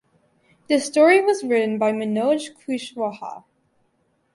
The story was written by Manoj Kushwaha.